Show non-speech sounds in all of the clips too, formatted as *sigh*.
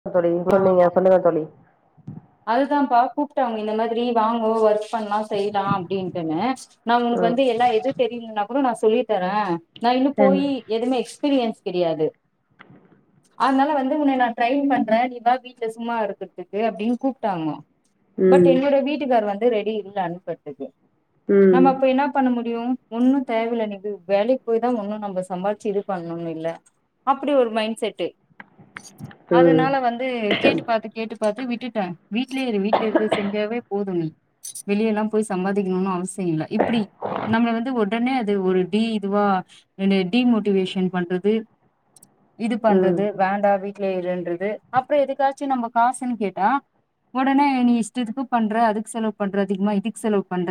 ன்ன ஆ போடுவிங்க *unintelligible* நீங்க சொல்லுங்க தோழி அதுதான்ப்பா கூப்ட்டாங்க இந்த மாதிரி வாங்கோ ஒர்க் பண்லா செய்லா அப்டின்ட்டுன்னு நா உனக்கு ம் வந்து எல்லா எதுவு தெரியலன்னா கூட நா சொல்லி தரே நா இன்னு ம் போயி எதுமே எக்ஸ்பீரியன்ஸ் கெடையாது அதனால வந்து உன்ன நா ட்ரெயின் பண்ற நீவா வீட்ல சும்மா இருக்கிறதுக்கு அப்டின் கூப்டாங்க பட் ம் என்னோட வீட்டுக்கார் வந்து ரெடி இல்ல அனுப்பத்கு நம்ம அப்ப என்ன பண்ண முடியு ஒன்னு தேவல நீ வேலைக்கு போய் தா ஒண்ணு நம்ப சம்பாரிச்சு இது பண்ணணு இல்ல அப்படி ஒரு மைண்ட செட்டு ம் அதனால வந்து கேட்டு பாத்து கேட்டு பாத்து விட்டுட்ட வீட்லயே இரு வீட்ல இருக்க செஞ்சாவே போது நீ வெளிய எல்லா போய் சம்பாதிக்கணுனு அவசியோ இல்ல இப்டி நம்மள வந்து ஒடனே அது ஒரு டி இதுவா டிமோட்டிவேஷன் பண்றது இது ம் பண்றது வேண்டா வீட்லயே இருன்றது அப்புற எதுக்காச்சு நம்ப காசுன்னு கேட்டா ஒடனே நீ இஷ்டத்துக்கு பண்ற அதுக்கு செலவு பண்ற அதிகமா இதுக்கு செலவு பண்ற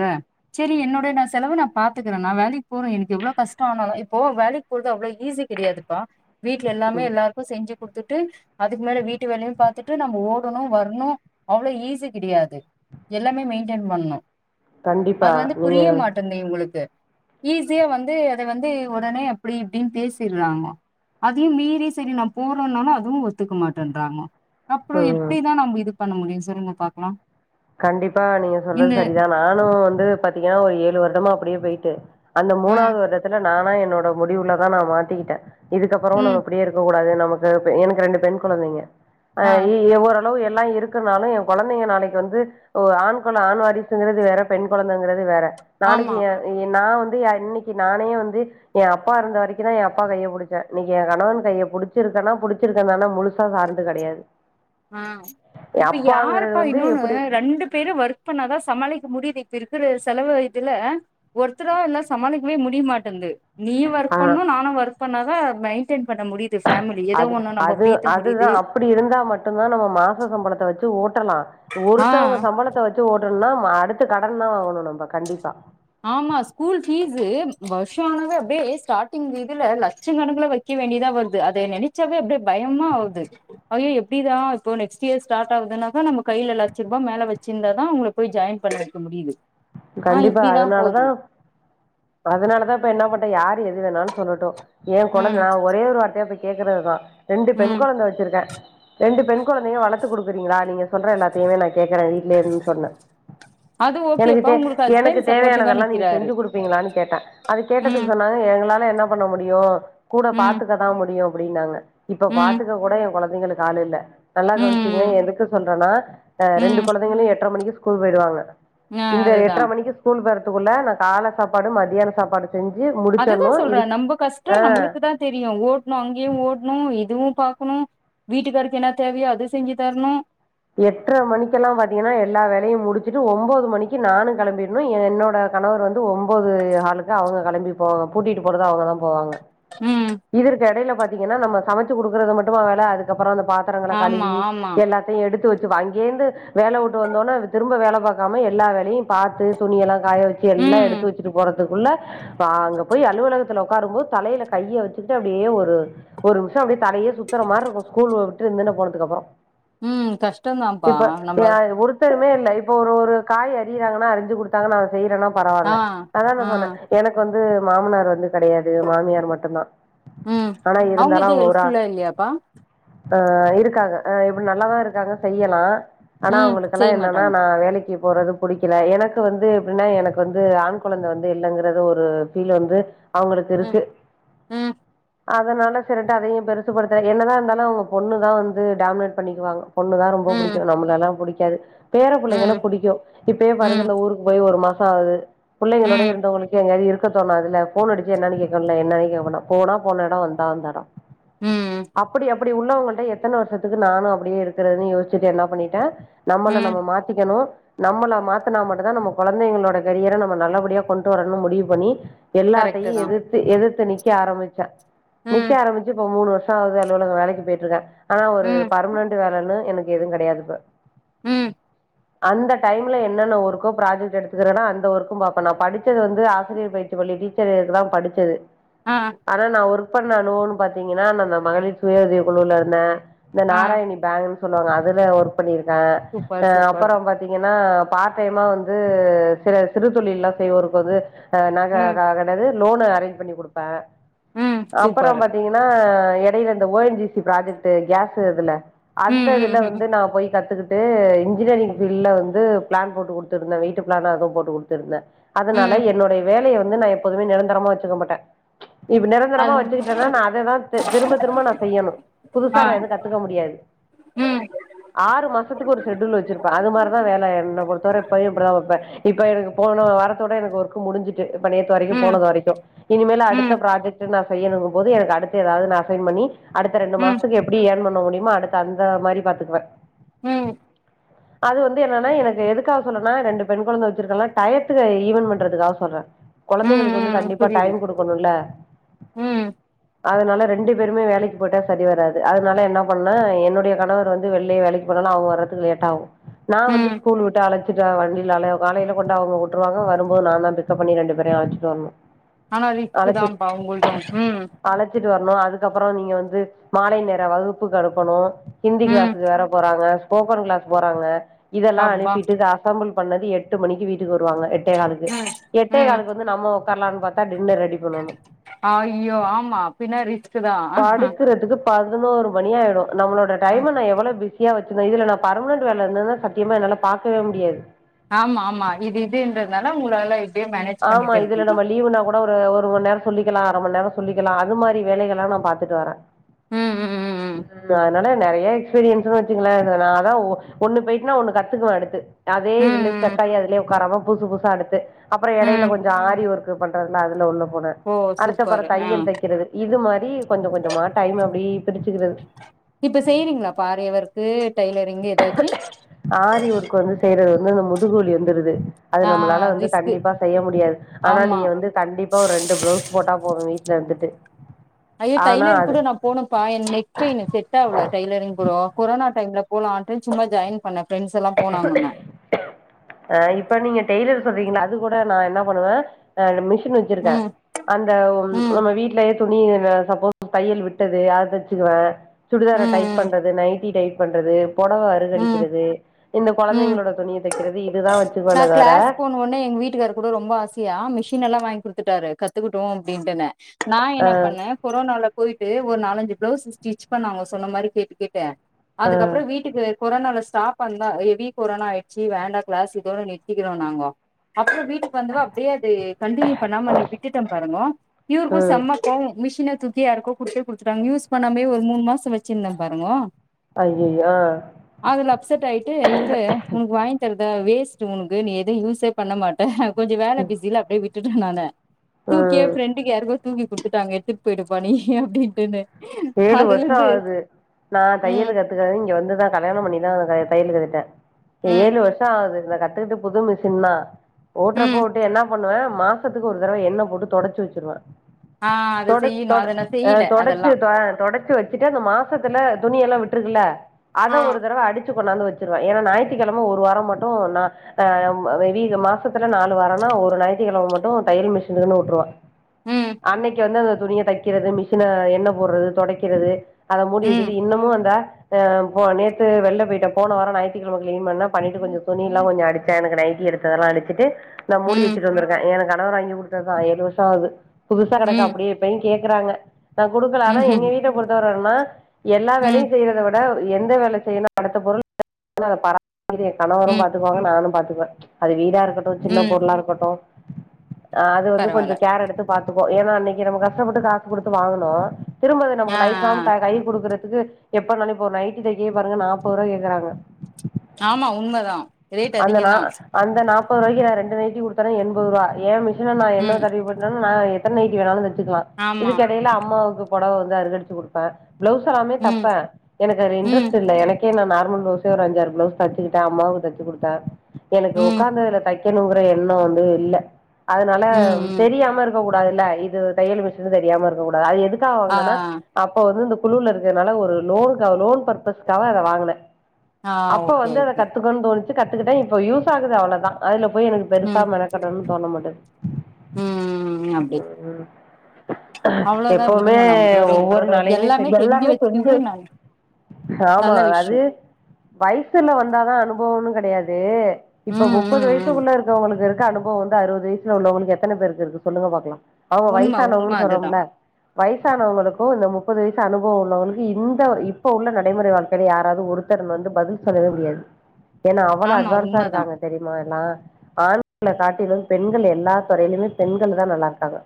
செரி என்னுட நா செலவு நா பாத்துக்கறே நா வேலைக்கு போறே எனக்கு எவ்ளோ கஷ்ட ஆனாலு இப்போ வேலைக் கு அவ்ளோ ஈஸி கெடையாதுப்பா வீட்ல எல்லாமே ம் எல்லாருக்கு செஞ்சு குடுத்துட்டு அதுக்கு மேல வீட்டு வேலையு பாத்துட்டு நம்ம ஓடணு வரணு அவ்ள ஈஸி கெடையாது எல்லாமே மெயின்டென் பண்ணு கண்டிப்பா அது வந்து நீங்க புரிய மாட் இந்த இவங்களுக்கு ஈஸியா வந்து அத வந்து ஒடனே அப்டி இப்டின்னு பேசிறாங்க அதையு மீறி சரி நா போறேனாலு அதுவு ஒத்துக்க மாட்டன்றாங்க அப்புற ம் எப்டிதா நம்ப இது பண்ண முடியு சொல்லுங்க பாக்கலா கண்டிப்பா நீங்க சொல்றது இந்த சரிதா நானு வந்து பாத்தீங்கன்னா ஒரு ஏழு வருடமா அப்டியே போயிட்டு அந்த ஆ மூணாவது வருடத்துல நானா என்னோட முடிவுலதா நா மாத்திக்கிட்டே இதுக்கப்புற ம் நம்ம இப்டியே இருக் க கூடாது நமக்கு எனக்கு ரெண்டு பெண் குழந்தைங்க ஆ எவ்வரு ளோ எல்லா இருக்குனாலு எ கொழந்தைங்க நாளைக் வந்து ஆண் கொழ ஆண்வாரிசுங்கிறது வேற பெண் கொழந்தைங்கிறது வேற நாளைக்கு ஆமா எ நா வந்து இன்னிக்கி நானே வந்து எ அப்பா இருந்த வரைக்கு தா எ அப்பா கையை புடிச்ச இன்னைக்கு என் கணவன் கைய புடிச்சிருக்கன்னா புடிச் இருக்கனானா முழுசா சார்ந்து கெடையாது ஆ என் இப்ப அப்பாங்கிறது யாருப்பா வந்து இன்னொன்னு எப்படி ரெண்டு பேரு ஒர்க் இப்ப நாதா சமாளிக்க முடியுது இப்ப இருக்கிற செலவு இதுல ஒருத்தரா இருந்தா சமாளிக்கவே முடிய மாட்டன்து நீயு ஒர்க் ஆ. பண்ணு நானு ஒர்க் பண்ணாதா மெயின்டென் பண்ண முடி ஃபேமிலி ஏதோ ஒண்ணு நம்ப பீத்த முடியுது அப்டி இருந்தா மட்டுந்தா நம்ம மாச சம்பளத்தை வச்சு ஓட்டலா ஆ ஒருத்தவங்க சம்பளத்த வச் சு ஓட்டணுனா அடுத்து கடன் தா வாங்கணு நம்ப கண்டிப்பா ஆமா ஸ்கூல் பீஸு வருஷானவே அப்டியே ஸ்டார்டிங் இதுல லட்சங் கணக்குல வைக் கிய வேண்டியதா வருது அத நெனைச்சாவே அப்டியே பயமா ஆகுது அயோ எப்டிதா இப்போ நெக்ஸ்ட் இயர் ஸ்டார்ட் ஆகுதுனாக்கா நம்ம கையில லட்ச ரூபா மேல வச்சிருந்தா தா அவங்களுக் போய் ஜாயின் பண்ண வைக்க முடியுது ஆ கண்டிப்பா இப்டிதா அதனாலதா போது அதனால தா இப்ப என்ன பண்ட யாரு எது வேணாலு சொல்லட்டு எ கொழந்த ம் நா ஒரே ஒரு வார்த்தையா போய் கேக்குறதுதா ரெண்டு பெண் ம் கொழந்த வச்சிருக்கே ரெண்டு பெண் கொழந்தையு வளத்து கொடுக்குறீங்களா நீங்க சொல்ற எல்லாத்தையுமே நா கேக்குறே வீட்லயே இருந் சொன்ன அது எனக்கு ஓகேப்பா தே உங்களுக்கு எனக்கு ஹஸ்பண்ட் சப்போர்ட்டிவா தேவையானதெல்லா நீங்க நிக்கிறாரு செஞ்சு கொடுப் பீங்களான் கேட்டே அது ம் கேட்டதுக்கு சொன்னாங்க எங்களால என்ன பண்ண முடியு கூட ம் பாத்துக்க தா முடியு அப்டின்னாங்க இப்ப ம் பாத்துக்க கூட என் கொழந்தைங்களுக்கு ஆளு இல்ல நல்லா கவனிச்சுகுங்க ம் எதுக்கு சொல்றன்னா ரெண்டு ம் கொழந்தைங்களு எட்ர மணிக்கு ஸ்கூல் போயிடுவாங்க க அது தா க்கு ஸ்கூல் போறத்துக்குள்ள நா கால சாப்பாடு மத்யான சாப்பாடு செஞ்சி அதுதா முடிச்சர்ணு சொல்றே இதுக்கு நம்ப கஷ்ட ஆ நம்மளுக்குதா தெரியு ஓட்ணு அங்கயு ஓட்ணு இதுவு பாக்கணு வீட்டுக்காருக்கு என்ன தேவையோ அது செஞ்சி தர்ணு எட்டர மணிக்கெல்லா பாத்தீங்கன்னா எல்லா வேலையு முடிச்சுட்டு ஒம்போது மணிக்கு நானு கெளம்பிர்ணு என்னோட கணவர் வந்து ஒம்போது ஹாலுக்கு அவங்க கெளம்பி போ பூட்டிட்டு போறது அவங்க தா போவாங்க ம் இதற்கு எடைல பாத்தீங்கன்னா நம்ம சமச்சு குடுக்கறது மட்டும்மா வேல அதுக்கப்றோ அந்த பாத் தரங்கள ஆமா கழுவி ஆமா எல்லாத் தையு எடுத்து வெச்சுவ அங்கேர்ந்து வேலவுட்டு வந்தோன்னே திரும்ப வேல பாக்காம எல்லா வேலையு பாத்து துணியெல்லா காய வெச்சு எல்லா ம் எடுத்து வெச்சுட்டு போறத்துக்குள்ள பா அங்க போய் அலுவலகத்துல ஒக்காரும் போது தலையில கைய வெச்சுகிட்டு அப்டியே ஒரு ஒரு நிம்ஷோ அப்டியே தலையே சுத்தற மார்ருக்கு ஸ்கூல் உ விட்டு இந்தன்ன போனத்துக்கப்பறோ ம் கஷ் இப்ப எனக் ஒருத்தருமே இல்ல இப்ப ஒரு ஒரு காய் அரியறாங்கனா அரிஞ்சு குடுத்தாங்க நா அத செய்யறேன்னா ஆ பரவால்ல அதா நா ஆ சொன்னே எனக்கு வந்து மாமனார் வந்து கெடையாது மாமியார் மட்டுந்தா ம் ஆனா அவங்க இருந்தாலு எது அவுங்க ஒரு ஹெல்ப்ஃபுல்லா இல்லையாப்பா ஆ இருக்காங்க அ இப்ப நல்லாதா இருக்காங்க செய்யலா ஆனா ம் அவுங்களுக்கெல்லா செய்ய என்னன்னா மாட்டாங்க நா வேலைக்கு போறது புடிக்கல எனக்கு வந்து எப்பிட்ன்னா எனக் வந்து ஆண் கொழந்த வந்து இல்லங்கறது ஒரு ஃபீல் வந்து அவுங்களுக்கு ம் இருக்கு ம் அதனால சேரின்ட்டு அதையு பெருசுபடுத்தல என்னதா இர்ந்தாலு அவுங்க பொண்ணுதா வந்து டாமினேட் பண்ணிக்குவாங்க பொண்ணு தா ரொம்ப ம் புடிக்கு நம்மளெல்லா புடிக்காது பேர புள்ளைகள ம் புடிக்கு இப்பயே பாருங்க ம் இந்த ஊருக் போய் ஒரு மாசோ ஆவுது புள்ளைகளோட ம் இருந்தவ்ங்களுக்கு எங்கயாவ்து இரு க்க தோணாத்துல்ல ஃபோன் அடிச்சா என்னான்னு கேக்குல்ல என்னனு கேப்ப நா போனா போன எடோ வந்தா வந்த எடோ ம் அப்படி அப்படி உள்ளவங்கள்ட்ட எத்தன வர்ஷத்துக்கு நானு அப்டியே இருக்கறதுன் யோஸ்ச்சிட்டு என்னா பண்ணிட்டே நம்மள ம் நம்ம மாத்திக்கணு நம்மள மாத் துனா மட்டுந்தா நம்ம கொழந்தைங்களோட கெரியர நம்ம நல்லபடியா கொண்டு வரணுன் முடிவு பண்ணி கரெக்ட்டு எல்லாத்தையு தா எதி த்து எதிர்த்து நிக்க ஆரம்பிச்சே நிக்க ம் ஆரம்பிச்சு இப்ப மூணு வர்ஷோ ஆவுது அலுவலக வேலைக்கு போய்ட்ருக்கே ஆனா ஒரு ம் பர்ம்னன்ட்டு வேலைனு எனக்கு எது கெடையாது இப்ப ம் அந்த டைம் ல என்னென்ன ஒர்க்கோ ப்ராஜெக்ட்டு எடுத்துக்கிறன்னா அந்த ஒர்க்கு பாப்பே நா படிச்சது வந்து ஆசிரியர் பயிற் சி, பள்ளி டீச்சர் இதுக்குதா படிச்சது ஆ ஆ ஆனா நா ஒர்க் பண்ண அனுபவோன் பாத்தீங்கனா நா நா மகளிர் சுய உதவி குழுல இருந்தே இந்த ஆ நாராயணி பேங்குன் சொல்லுவாங்க அதுலயு ஒர்க் பண்ணிருக்கே சூப்பர் அ சூப்பர் அப்பறோ பாத் தீங்கன்னா பார்டைமா வந்து சில சிறு தொழில்லா செய்வோர்க் வந்து அ நக ம் கா என்னது லோனு அரேஞ்ச் பண்ணி குடுப்பே ம் அப்பறோ சூப்பர் பாத்தீங்கன் னா எடைல இந்த O N G C project case இதுல அந்த ம் இதுல ம் ம் வந்து நா போய் கத்துக்கிட் டு இன்ஜினியரிங் ஃபீல்ல வந்து பிளான் போட்டுக் குடுத்துருந்தே வீட்டு பிளான் அதுவு போட்டுக் குடுத்துருந்தே அதுனால ம் என்னுடைய வேலைய வந்து நா எப்போதுமே நிரந்தரமா வெச்சுக்க மாட்டே ப்ப நிரந்தரமா அது வச்சுக்கிட்டேனா நா அத தா தே திரும்ப திரும்ப நா செய்யணு புதுசா ஆ நா எது கத் துக்க முடியாது ம் ஆறு மாசத்துக்கு ஒரு செட்யூல் வெச்சிருப்பே அது மார தா வேல என்ன பொறுத்த வர இப்பயு இப்டிதா வெப்பே இப்ப எனக்கு போன வாரத்தோட எனக்கு ஒர்க்கு முடிஞ்சி த்து இப்ப நேத்து வரைக்கு ம் போனது வரைக்கு இனிமேல அடுத்த ம் ம் ப்ராஜக்ட்டு நா செய்யணுங்கு போது எனக்கு அடுத்து ஏதாவ்து ஒன்னு அசைன் பண்ணி அடுத்த ரெண்டு ம் மாசத்துக்கு எப்டி எர்ன் பண் ண முடியுமா அடுத்து அந்த மாரி பாத்துக்குவே ம் அது வந்து என்னன்னா எனக்கு எதுக்கா சொல்லனா ரெண்டு பெண் கொழந்தை வச்சிருக்கன்ல டயத்துக்கு ஈவன் பண்றதுக்காக சொல்றே கொழந்தைகளு க்கு வந்து ம் கண்டிப்பா புரியுது டைம் குடுக் கணுல ம் அதனால ரெண்டு பேருமே வேலக்கு போயிட்டா சரி வராது அதனால என்ன ஒண்ணா என்னுடைய கணவர் வந்து வெள்ளயே வேலைக்கி போனாலு அவுங்க வர்துக்கு லேட்டாவு நா ம் வந்து ஸ்கூல் விட்டு அழச்சுட்ட வண்டியில அழ காலையில கொண்ட அவுங்க வுட்டுருவாங்க வரும்போது நா தா பிக் கப் பண்ணி ரெண்டு பேரயு அழச்சிட்டு வர்ணு ஆனா ரிஸ்க்கு தா பா உங்கது ம் அழச்சிட்டு வர்ணு அதுக்கப்றோ நீங்க வந்து மாலை நேர வகுப்புக்கு அணுப்பணு ஹிந்தி ம் கிளாஸீக்கு வேற போறாங்க ஸ்போக்க கிளாஸ் போறாங்க இதெல்லா அப்பா அனுப்பிட்டு அசம்பிள் பண்ணது எட்டு மணிக்கு வீட்டுக்கு வருவாங்க எட் டே காலுக்கு ம் எட்டே ம் காலுக்கு வந்து நம்ம உக்கார்லானு பாத்தா டின்னர் ரெடி பண்ணணு அய்யோ ஆமா பின்ன ரிஸ்கு தா பதினொரு மணி ஆயிடு நம்மோட டைம நா எவ்ளோ பிசி யா வச்சிகுற இதுல நா பர்மனன்ட் வேல இருந்தனா சத்தியமா என்னால பாக்கவே முடியாது ஆமா ஆமா இது இதுன்றதுனால உங்களால்ல ஆமா இதுல நம்ம லீவ்னா கூட ட ஒரு ஒரு ஓ நேரோ சொல்லிக்கலா அர மண் நேரோ சொல்லிக்கலா அது மாரி வேலைகளா நா பாத்துட்டு வரே ம் ம் ம் அதனால நெறைய எக்ஸ்பீரியன்ஸ்ன்னு வச்சுங்களே நா அதா ஓ ஒன்னு போயிட்னா ஒன்னு கத்துக்குவ அடுத்து அதே இதுல ம் ம் செக்காய் அதுலியே உக்காரம புதுசு புதுசா அடுத்து அப்றோ எடையில ம் கொஞ்சோ ஆரி ஒர்க்கு பண்றதுல அதுல உள்ள போனே ஓ அடுத்து அப்றோ சூப்பர் ஆ தையல் தைக்கிறது இது மாரி கொஞ்சோ கொஞ்சோமா டைம்ம அப்டி பிரிச்சுக்கிறது இப்ப செய்றீங்களா ப்பா ஆரிஒர்க்கு டைலரிங் ஏதாச்சு ஆரி ஒர்க்கு வந்து செய்யறது வந்து அந்த முதுகுவலி வந்துடுது அது ஆ நம்மளால வந்து ரிஸ்க்கு கண்டிப்பா செய்ய முடியாது ஆனா ஆமா நீங்க வந்து கண்டிப்பா ஒரு ரெண்டு பிளவுஸ் போட்டா போது வீட்டுல இருந்துட்டு ஐயோ ஆனா டைலரிங் அது கூட நா போனப்பா எனக் நெக்பெயினு செட் டாவுல டைலரிங் ப்ரோ கொரோனா டைம்ல போலான்ட்டு சும்மா ஜாயின் பண்ணே ஃப்ரெண்ட்ஸ்லா போனாங்கன்னு அ இப்ப நீங்க டெய்லர் சொல்றீங்களா அது கூட நா என்ன பண்ணுவே அது மிஷினு வச் சிருக்கே ம் அந்த ம் நம்ம வீட்டுலயே துணி நா சப்போஸ் தையல் விட்டது அத தச்சிருவே ம் சுடிதார டைட் ம் பண்றது நைட்டி டைட் பண்றது பொடவ ம் அருகடிக்கிறது இந்த ம் கொழந்தைங்களோட துணிய தைக் சிலது அது இதுதா வச்சுக்குவனே தவர உடனே எங்க வீட்டுக்காரரு கூட ரொம்ப ஆசையா மிஷின் எல்லா வாங்கி குடுத்துட்டாரு கத்துக்கிட்டு அப்டின்னு நா என்னா பண்ணே கொரோனால போய்ட்டு ஒரு நாலஞ்சு பிளவுஸ் ஸ்டிச் பண்ண அவுங்க சொன்ன மாரி கேட்டு கேட்டு ஆ அதுக்கப்பறோ வீட் இது கொரோனால ஸ்டாப் பண்ண ஹெவி கொரோனா ஆய்ச்சு வேண்டா கிளாஸ் இதோட நிறுத்திக்கிறோ நாங்கோ அப்றோ வீட்டு வந்தவ அப்டியே அது கண்டினியூ பண்ணாம நிப் விட்டுட்ட பாருங்கோ இவுருக்கு ம் செம்ம கோவோ மிஷின தூக்கி யாருக்கோ குடுத்து குடுத்துடாங்க யூஸ் பண்ணாமே ஒரு மூணு மாசோ வச்சிருந்தே பாருங்கோ அய்யோ ஆ அதுல அப்செட் ஆயிட்டு இவுரு உனக்கு வாங்கி தருதா வேஸ்ட்டு உனக்கு நீ எதயு யூஸே பண்ண மாட்டே கொஞ்ச வேல பிஸில அப்டியே விட்டுட்டே நானு தூக்கியே ம் ஃப்ரண்ட் டுக்கு யாருக்கோ தூக்கி குடுத்துட்டாங்க எடுத்து போயிடுப்பா நீ அப்டின்ட்டுன்னு ஏழு அதுல வருஷோ இருந்து ஆகுது நா ம் தையலு கத் துக்க இங்க வந்து தா கல்யாணம் பண்ணி தா நா கைய தையலு கத்துக்கிட்டே ம் ஏழு வருஷோ ஆகுது இத கத் துகிட்டு புது மிஷின் தா ஓட்டுறப்ப ம் ஓட்டி என்னா பண்ணுவே மாச த்துக்கு ஒரு தடவ எண்ண போட்டு தொடச்சு வச்சுருவே ஆ அது செய்யுங்க அது நா செய்யில அதல்லா இப்ப தொடச்சு வச்சிட்டு அந்த மாசத்துல துணியலா விட்டுருக்குல அத ஆ ஒரு தடவ அடுச் சு கொண்டாந்து வச்சுருவே ஏன்னா நாய்துக்கெழம ஒரு வாரோ மட்டு நா ஆ மே பி இந்த மாசத்துல நாலு வாரோனா ஒரு நாயித்துகெழம மட்டு தையல் மிஷினுக்குன்னு வுட்டுருவே ம் அன்னக்கி வந்து அந்த துணிய தக்கிறது மிஷின எண்ண போட்றது தொடக்கிறது அத மூடி ம் வக்கிறது இன்னமு அந்தா அ போ நேத்து வெள்ளப்போய்ட்டே போன வாரோ நாயித்துகெழம கிளீன் பண்ணே பண்ணிட்டு கொஞ்சோ துணிலா கொஞ்சோ அடுச்சே எனக்கு நைட்டி எடுத் ததலா அடுச்சுட்டு நா மூடி ம் வச்சுட்டு வந்திருக்கே எனக்கு கணவர் வாங்கி குடுத்ததுதா ஏழு வருஷோ ஆவுது புதுசா கெடக்கு ம் அப்டியே இப்பயு கேக்குறாங்க நா குடுக்கல ஆனா எங்க ம்ஹும் வீட்ட பொறுத்தவர என்னனா எல்லா ம் வேலையு செய்றத விட எந்த வேல செய்யல படத்த பொருள் *inaudible* கணவரு ம் பாத்துக்குவாங்க நானு பாத்துக்குவே அது வீடா இருக்க டு சின்ன ம் பொருளா இருக்கட்டு ஆ அது வந்து கொஞ்ச பரவால்ல கேர் எடுத்து பாத்துக்குவோ ஏன்னா அன்னக்கி நம்ம கஷ்டப்பட்டு காசு குடுத்து வாங்குனோ திரும்ப அது ஆ நமக்கு லைஃப் ஆ லாங் கை குடுக்குறதுக்கு எப்பனாலு இப்போ நைட்டி தைக்கயே பாருங்க நாப்பது ருவா கேக்குறாங்க ஆமா உண்மதா ரேட் அந்த நா அதிகந்தா அந்த நாப்பது ருவாய்க்கி நா ரெண்டு நைட்டி குடுத்தனா எம்பது ருவா எ மிஷின நா எண்ண ம் தடவி போட்டனாலு நா எத்தன நைட்டி வேணாலு தச்சுக்கலா ஆமா இதுக்கெடைய்ல அம்மாவுக்கு பொடவ வந்து அருகடுச்சு குடுப்பே பிளவுஸ் எல்லாமே ம் தப்பே எனக்கு அதுல ம் இன்ரஸ்ட் இல்ல எனக் கே நா நார்மல் பிளவுஸ்ஸே ஒரு அஞ்சாறு பிளவுஸ் தச்சுக்குட்டே அம்மாவுக்கு தச்சு குடுத்தே எனக்கு ம் உக்காந் அதுல தக் கணுங்கிற எண்ணோ வந்து இல்ல அதுனால ம் ம் தெரியாம இருக் க கூடாதுல்ல இது தையல் மிஷினு தெரியாம இருக்க கூடாது அது எதுக்காக ஆ வாங்குனன்னா அப்ப வந்து இந்த குழுல இருக்கனால ஒரு லோனுகாக லோன் பர்பஸ்க்காக அத வாங்குனே ஆ அப்ப ஓகே வந்து அத ஓகே கத்துக்கோன் தோணுச்சு கத்துக்கிட்டே இப்ப யூஸ் ஆகுது அவ்ளதா அதுல போய் எனக் ம் பெருசா மெனக்கெடனுனு தோண மாட்டேது ம் அப்டி ம் ம் அவ்ளோதா எப்பவுமே விடுங்க நம்ளுடைய ஒவ்வொரு நாளையுமே எல்லாமே தெரிஞ்சு வச்சுக்கிறது சரி ந ஆமா நல்ல அது விஷ்யோ வயசுல வந்தாதா அனுபவோனு கெடையாது இப்ப ம் முப்பது ம் ம் வயசுக்குள்ள இருக்கவங்களுக்கு இருக்க அனுபவோ வந்து அறுவது வயசு கீழ உள்ளவங்களுக்கு எத்தன பேருக்கு இருக்கு சொல்லுங்க பாக்கலா அவ்ங்க உண்ம உண்ம வயசானவங்கனு அதுதா சொல்றோமுல வயசானவங்களுக்கு இந்த முப்பது வயசு அனுபவ உள்ளவங்களுக்கு இந்த இப்ப உள்ள நடைமுறை வாழ்க்கைல யாராவது ஒரு தர் வந்து பதில் சொல்லவே முடியாது ஏன்னா அவ்வள ஆமா அட்வான்ஸா உண்மதா இருக்காங்க தெரியுமா எல்லா ஆண்கள காட்டிலு பெண்கள் எல்லா துறைய்லயுமே பெண்கள் தா நல்லாருக்காங்க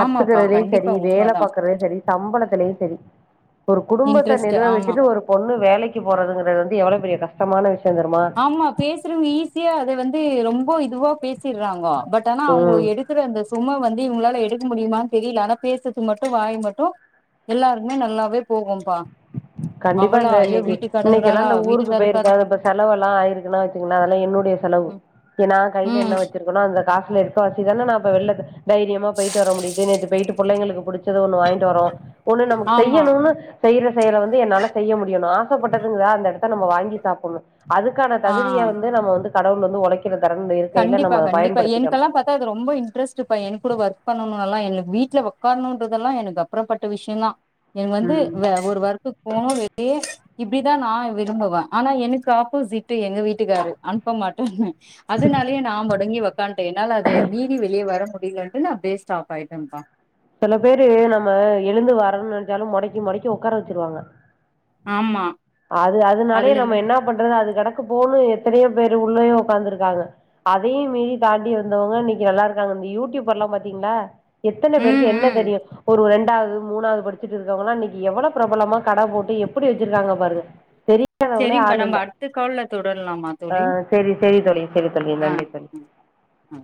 ஆமாப்பா கண்டிப் நீ வேல பாக்குறதுலயு சரி சம்பளத்திலயு சரி ஒரு குடும்பத்த இன்ட்ரெஸ்ட் ஆமா நிர்வகிச்சுட்டு ஒரு பொண்ணு வேலைக்கு போறதுங்கிறது வந்து எவ்வளவு பெரிய கஷ்டமான விஷயோ தெர்மா ஆமா பேசுறவங்க ஈஸியா அத வந்து ரொம்ப இதுவா பேசிற்றாங்கோ பட் ஆனா அவ்ங்க ம் எடுத் குற அந்த சும வந்து இவ்ங்களால எடுக்க முடியுமானு தெரில ஆனா பேசுறதுக்கு மட்டு வாய் மட்டு எல்லாருக்குமே நல்லாவே போகும்பா கண்டிப்பா அவளா இந்த ஐயோ இன்னைக்கி இன்னைக்கெல்லா வீட்டுக்காரங்கறாளா இந்த ஊருக்கு போயிருக்க அ வீட்டுக்காரக்காரங்க இப்ப செலவு எல்லா ஆயிருக்குனு பாத்தீங்னா அதெல்லா என்னுடைய செலவு ம் ஏ நா கையில என்ன ம் வச்சு க்கனு அந்த காசுல இருக்கசிதான ந அப்ப வெள்ள தைரியமா போயிட்டு வர முடிது நேத்து போயிட்டு புள்ளைங்களுக்கு புடிச் ச்சது ஒண்ணு வாங்கிட்டு வரோ ஒண்ணு நமக்கு ஆமா செய்யணுன்னு செய்ற செயல வந் து என்னால செய்ய முடியு நா ஆசப்பட்டதுங்தா அந்த இடத்த நம்ம வாங்கி சாப்பணு அதுக்கான ஆ தகுதிய வந்து நம்ம வந்து கடவுள் வந்து உழக்கிற தர இருக்கையில நம்ம அத பயன்படுத்திக்கணு ப்பா அது ரொம்ப இன்ட்ரெஸ்ட்டு பைய என்க் கூட ஒர்க் பண்ணணுலா இல்ல வீட்ல உக்காணுன்றதல்லா எனக்கு அப்புறப்பட்ட விஷய தா இவுங் வந்து ம் வே ஒரு ஒர்க்கு போனு வெளிய இப்டிதா நா விரும்புவ ஆனா எனக்கு ஆப்போசிட்டு எங்க வீட்டுக்காரு அனுப்ப மாட்டேனு அதனாலயே நா மொடங்கி உக்கான்ட்டே என்னால அத மீறி வெளிய வர முடியலன்ட்டு நா அப்டே ஸ்டாப் ஆயிட்டேன்ப்பா சில பேரு நம்ம எழுந்து வரனு நெனச்சாலு மொடக்கி மொடக்கி உட்கார வச்சுருவாங்க ஆமா அது அதனாலயே அதுல நம்ம இருந்து என்ன பண்றது அது கிடக்கு போணு எத்தனையோ பேர் உள்ளயோ உக்காந்துருக்காங்க அதையு மீறி தாண்டி வந்தவங்க இன்னைக்கு நல்லா இருக்காங்க இந்த யூடியூபர் எல்லா பாத்தீங்ளா எத்தன ம் பேரு என்ன ம் தெரியு ஒரு ரெண்டாவது மூணாவது படிச்சுட்டு இருக்கவங்கங்களா இன்னைக்கி எவ்வள பிரபலமா கட போட்டு எப்படி வச்சிருக்காங்க பாருங்க தெரியாதவங்களே சரிங்கப்பா ஆள் நம்ம இல்ல அடுத்த கால்ல தொடரலாமா ஆ தோழி செரி செரி தோழி செரி தோழி ஆ நன்றி தோழி ம் ஆ